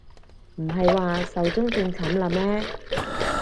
唔係話壽終正寢喇咩